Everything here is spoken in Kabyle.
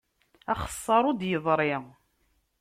Axessar ur d-yeḍri.